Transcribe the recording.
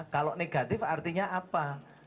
kalau negatif artinya apa